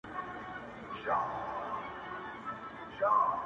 استعماري ارزښتونه غالب